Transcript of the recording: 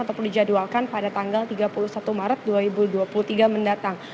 ataupun dijadwalkan pada tanggal tiga puluh satu maret dua ribu dua puluh tiga mendatang